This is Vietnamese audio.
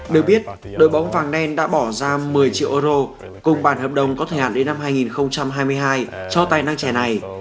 được biết đội bóng vàng đen đã bỏ ra một mươi triệu euro cùng bản hợp đồng có thời hạn đến năm hai nghìn hai mươi hai cho tài năng trẻ này